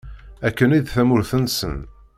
Akken i d tamurt-nsen.